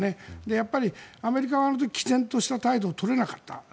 やっぱりアメリカはあの時きぜんとした態度を取れなかった。